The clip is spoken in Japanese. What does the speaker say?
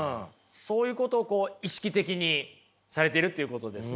そういうことを意識的にされているということですね。